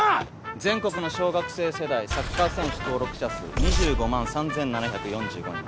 全国の小学生世代サッカー選手登録者数２５万３７４５人。